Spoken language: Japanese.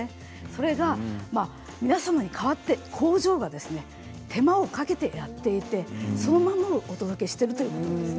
それが皆様に代わって工場が手間をかけてやっていてそのままお届けしているということなんです。